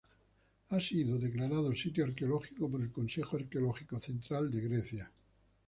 Ha sido declarado sitio arqueológico por el Consejo Arqueológico Central de Grecia.